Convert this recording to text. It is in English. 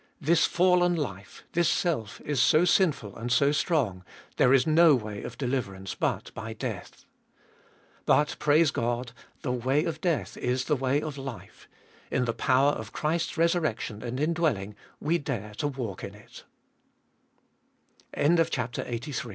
This fallen life, this self, is so sinful and so strong, there is' no way oj deliverance but by death. But, praise God ! the way of death is the way of life ; in the power of Christ's resurrection and indwelling we dare to w